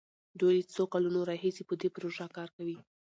دوی له څو کلونو راهيسې په دې پروژه کار کوي.